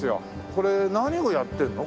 これ何をやってるの？